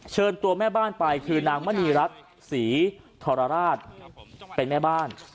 เชิญตัวแม่บ้านไปคือนางมณีรัฐศรีทรราชเป็นแม่บ้าน